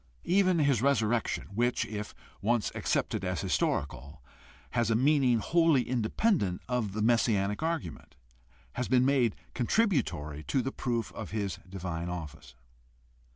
Even his resurrection, which, if once accepted as historical, has a meaning wholly independent of the messianic argument, has been made contributory to the proof of his divine office.